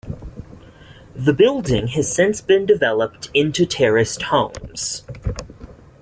The building has since been developed into terraced homes.